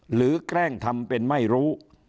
แกล้งทำเป็นไม่รู้